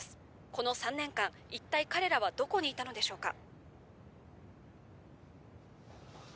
この３年間一体彼らはどこにいたのでしょうか？